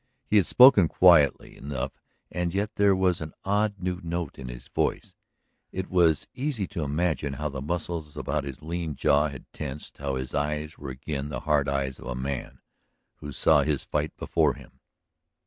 He had spoken quietly enough and yet there was an odd new note in his voice; it was easy to imagine how the muscles about his lean jaw had tensed, how his eyes were again the hard eyes of a man who saw his fight before him.